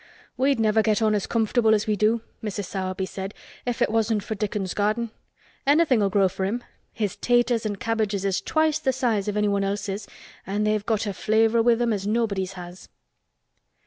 "We'd never get on as comfortable as we do," Mrs. Sowerby said, "if it wasn't for Dickon's garden. Anything'll grow for him. His 'taters and cabbages is twice th' size of anyone else's an' they've got a flavor with 'em as nobody's has."